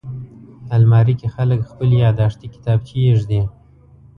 الماري کې خلک خپلې یاداښتې کتابچې ایږدي